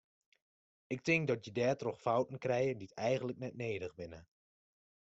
Ik tink dat je dêrtroch fouten krije dy eigenlik net nedich binne.